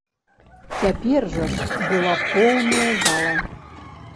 Цяпер жа ж была поўная зала.